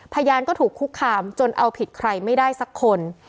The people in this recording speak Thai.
พยานก็ถูกคุกคามจนเอาผิดใครไม่ได้สักคน